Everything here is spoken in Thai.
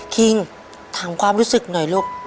คิงถามความรู้สึกหน่อยลูก